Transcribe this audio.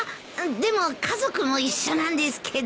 でも家族も一緒なんですけど。